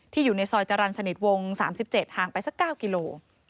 อยู่ในซอยจรรย์สนิทวง๓๗ห่างไปสัก๙กิโล